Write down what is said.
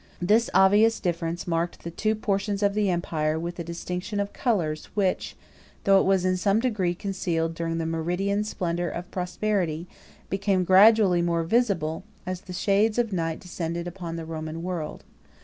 This obvious difference marked the two portions of the empire with a distinction of colors, which, though it was in some degree concealed during the meridian splendor of prosperity, became gradually more visible, as the shades of night descended upon the Roman world.